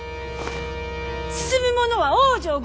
進む者は往生極楽！